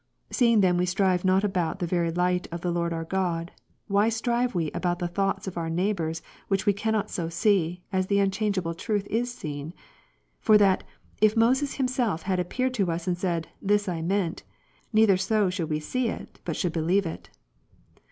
Seeing then we strive not about the very light of the Lord our God, why strive we about the thoughts of our neighbour which we cannot so see, as the unchangeable Truth is seen : for that, if Moses himself had appeared to us and said, " This I meant ;" neither so should we see it, but should believe it.